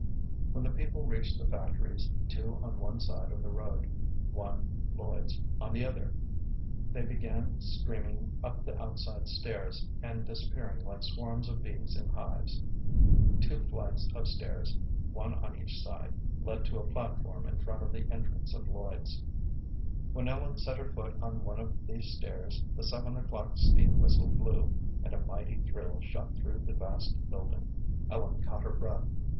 When the people reached the factories, two on one side of the road, one, Lloyd's, on the other, they began streaming up the outside stairs and disappearing like swarms of bees in hives. Two flights of stairs, one on each side, led to a platform in front of the entrance of Lloyd's. When Ellen set her foot on one of these stairs the seven o'clock steam whistle blew, and a mighty thrill shot through the vast building. Ellen caught her breath.